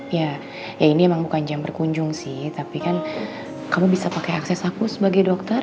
ya ya ini emang bukan jam berkunjung sih tapi kan kamu bisa pakai akses aku sebagai dokter